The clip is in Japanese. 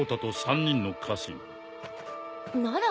なら